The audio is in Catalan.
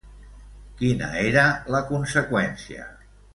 Quina era la conseqüència?